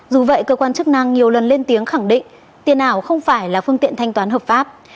dù vậy cơ quan chức năng nhiều lần lên tiếng khẳng định tiền ảo không phải là phương tiện thanh toán hợp pháp